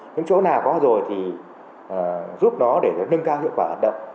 những chỗ nào có rồi thì giúp đó để nâng cao hiệu quả hoạt động